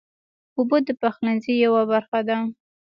اوبه د پخلنځي یوه برخه ده.